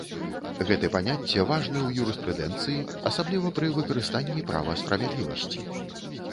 Гэты паняцце важны ў юрыспрудэнцыі, асабліва пры выкарыстанні права справядлівасці.